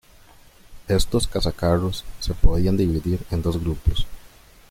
Estos cazacarros se podían dividir en dos grupos.